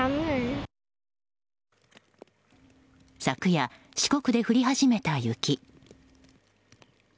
昨夜、四国で降り始めた雪。